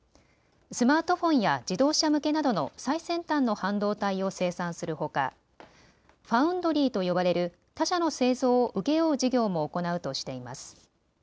スマートフォンや自動車向けなどの最先端の半導体を生産するほかファウンドリーと呼ばれる他社の製造を請け負う事業も行うとしています。